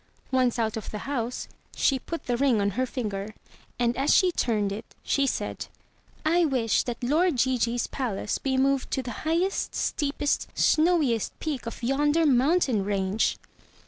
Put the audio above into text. Once out of the house, she put the ring on her finger, and as she turned it, she said, " I wish that lord Gigi's palace be moved to the highest, steepest, snowiest peak of yonder mountain range!"